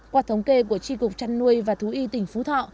qua thống kê của tri cục trăn nuôi và thú y tỉnh phú thọ